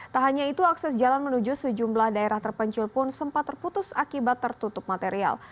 tak hanya itu akses jalan menuju sejumlah daerah terpencil pun sempat terputus akibat tertutup material